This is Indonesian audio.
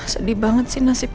sedih banget sih nasib